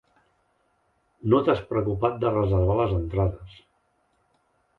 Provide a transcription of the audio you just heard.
No t'has preocupat de reservar les entrades.